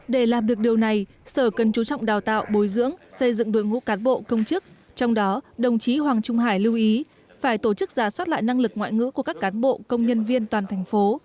để làm được điều này sở cần chú trọng đào tạo bồi dưỡng xây dựng đội ngũ cán bộ công chức trong đó đồng chí hoàng trung hải lưu ý phải tổ chức giả soát lại năng lực ngoại ngữ của các cán bộ công nhân viên toàn thành phố